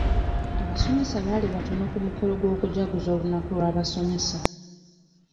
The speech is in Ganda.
Abasomesa baali batono ku mukolo gw'okujaguza olunaku lw'abasomesa.